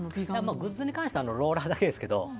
グッズに関してはローラーだけですけど。